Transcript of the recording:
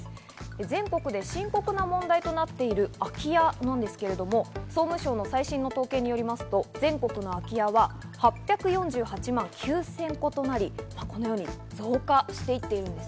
全国で深刻な問題となっている空き家なんですけれど、総務省の最新の統計によりますと全国の空き家は８４８万９０００戸となり、このように増加していっています。